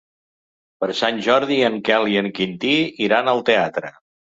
Per Sant Jordi en Quel i en Quintí iran al teatre.